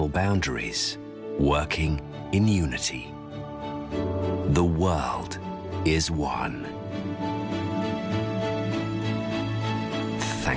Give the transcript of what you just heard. คุณที่สองเป็นไหนสองสอง